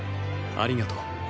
ありがとう。